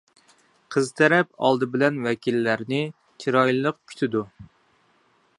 قىز تەرەپ ئالدى بىلەن ۋەكىللەرنى چىرايلىق كۈتىدۇ.